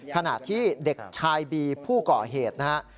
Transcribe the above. ขนาดที่เด็กชายบีผู้ก่อเหตุนะฮะ